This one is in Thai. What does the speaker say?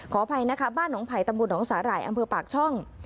อภัยนะคะบ้านหนองไผ่ตำบลหนองสาหร่ายอำเภอปากช่อง